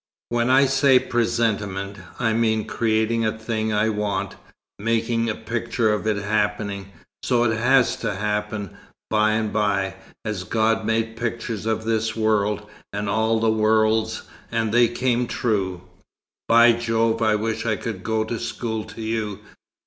"When I say 'presentiment,' I mean creating a thing I want, making a picture of it happening, so it has to happen by and by, as God made pictures of this world, and all the worlds, and they came true." "By Jove, I wish I could go to school to you!"